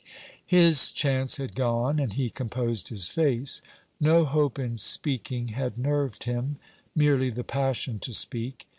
His chance had gone, and he composed his face. No hope in speaking had nerved him; merely the passion to speak.